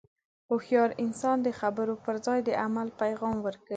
هوښیار انسان د خبرو پر ځای د عمل پیغام ورکوي.